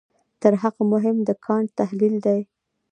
تر هغه مهم د کانټ تحلیل دی.